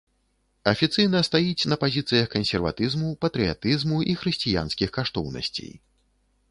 Афіцыйна стаіць на пазіцыях кансерватызму, патрыятызму і хрысціянскіх каштоўнасцей.